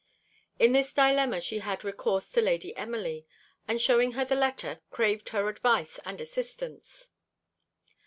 In his dilemma she had recourse to Lady Emily; and, showing her the letter, craved her advice and assistance.